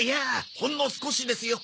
ほんの少しですよ。